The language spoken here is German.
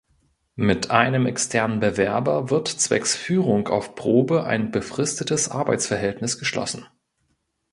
Mit einem externen Bewerber wird zwecks Führung auf Probe ein befristetes Arbeitsverhältnis geschlossen.